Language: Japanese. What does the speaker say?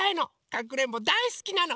かくれんぼだいすきなの！